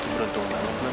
beruntung banget man